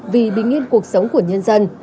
vì bình yên cuộc sống của nhân dân